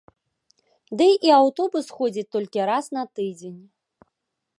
Ды і аўтобус ходзіць толькі раз на тыдзень.